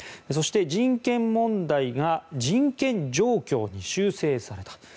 そして人権問題が人権状況に修正された。